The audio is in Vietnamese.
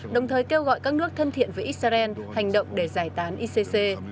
đồng thời kêu gọi các nước thân thiện với israel hành động để giải tán icc